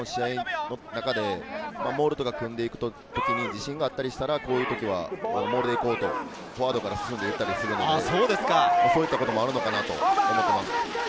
自分も試合の中でモールとか組んで行くときに自信があったりしたら、こういう時はモールでいこうと、フォワードから進んでいったりするので、そういったこともあったりするのかなと思います。